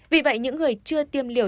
vì vậy những người chưa tiêm liều